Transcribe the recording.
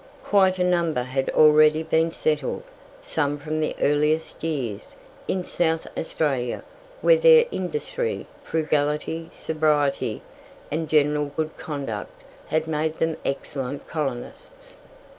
Quite a number had already been settled, some from the earliest years, in South Australia, where their industry, frugality, sobriety, and general good conduct had made them excellent colonists.